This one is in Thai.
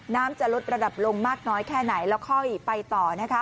น้ำจะลดระดับลงมากน้อยแค่ไหนแล้วค่อยไปต่อนะคะ